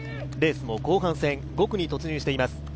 レースも後半戦、５区に突入しています。